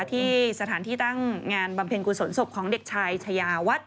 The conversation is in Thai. ที่สถานที่ตั้งงานบำเพ็ญกุศลศพของเด็กชายชายาวัด